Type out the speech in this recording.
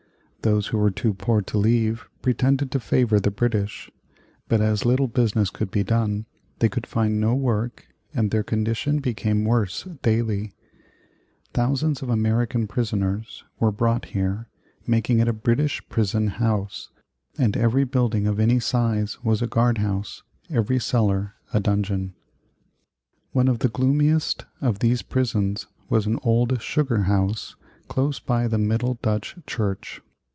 Those who were too poor to leave pretended to favor the British, but as little business could be done, they could find no work, and their condition became worse daily. Thousands of American prisoners were brought here, making it a British prison house, and every building of any size was a guard house, every cellar a dungeon. [Illustration: Old Sugar House in Liberty Street, the Prison House of the Revolution.] One of the gloomiest of these prisons was an old sugar house close by the Middle Dutch Church.